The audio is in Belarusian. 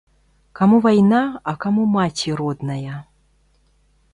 Каму вайна, а каму маці родная!